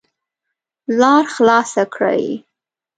لار خلاصه کړئ